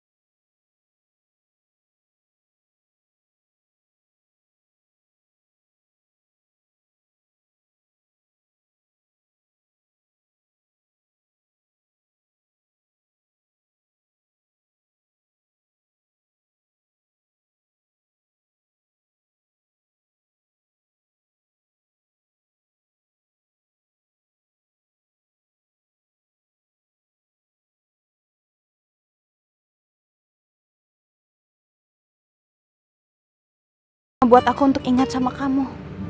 tidak ada yang bisa membuat aku ingat sama kamu